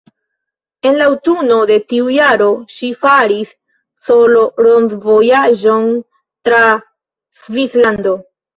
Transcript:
En la aŭtuno de tiu jaro ŝi faris solo-rondvojaĝon tra Svislando.